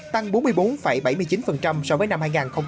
tăng bốn mươi bốn bảy mươi chín so với năm hai nghìn một mươi bảy